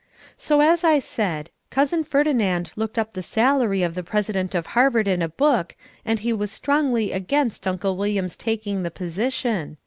So, as I said, Cousin Ferdinand looked up the salary of the President of Harvard in a book and he was strongly against Uncle William's taking the position.